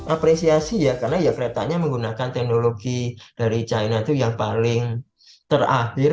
apresiasi ya karena ya keretanya menggunakan teknologi dari china itu yang paling terakhir